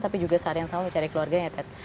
tapi juga sehari yang sama mencari keluarganya ya ted